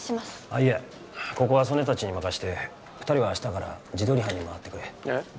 いやここは曽根達に任して２人は明日から地取り班に回ってくれえっ？